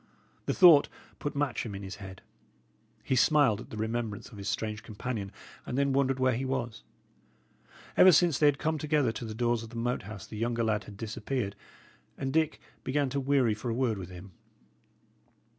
The thought put Matcham in his head. He smiled at the remembrance of his strange companion, and then wondered where he was. Ever since they had come together to the doors of the Moat House the younger lad had disappeared, and Dick began to weary for a word with him.